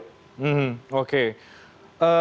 ya tetapi saya masih menunggu konfirmasi beliau